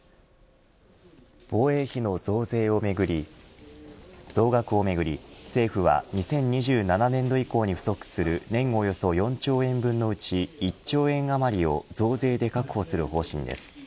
防衛費の増税をめぐり増額をめぐり政府は２０２７年度以降に不足する年およそ４兆円のうち１兆円余りを増税で確保する方針です。